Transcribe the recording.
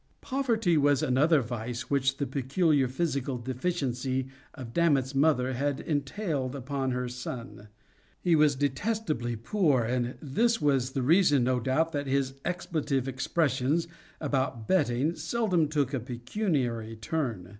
Poverty was another vice which the peculiar physical deficiency of Dammit's mother had entailed upon her son. He was detestably poor, and this was the reason, no doubt, that his expletive expressions about betting, seldom took a pecuniary turn.